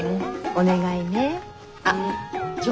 お願いね。